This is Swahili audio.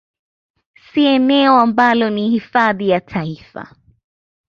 Si eneo ambalo ni Hifadhi ya taifa